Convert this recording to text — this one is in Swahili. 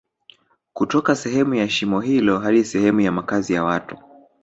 kutoka sehemu ya shimo hilo hadi sehemu ya makazi ya watu